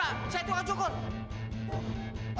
saya itu yang cukur